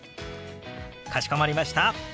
かしこまりました。